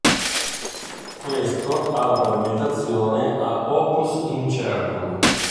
Questo ha la pavimentazione a opus incertum.